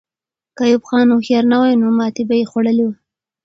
که ایوب خان هوښیار نه وای، نو ماتې به یې خوړلې وه.